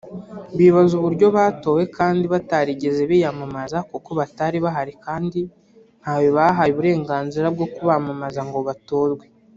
Bibaza uburyo batowe kandi batarigeze biyamamaza kuko batari bahari kandi ntawe bahaye uburenganzira bwo kubamamaza ngo batorwe